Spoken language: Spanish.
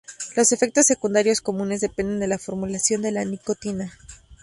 Los efectos secundarios comunes dependen de la formulación de la nicotina.